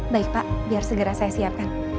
baik pak biar segera saya siapkan